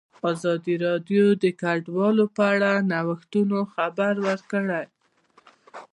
ازادي راډیو د کډوال په اړه د نوښتونو خبر ورکړی.